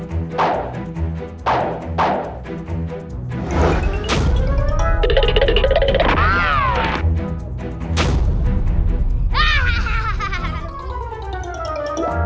rai tidak untuk